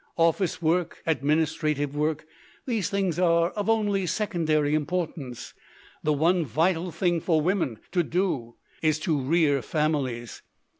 Office work, administrative work these things are of only secondary importance. The one vital thing for women to do is to rear families.